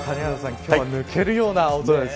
今日は抜けるような青空です。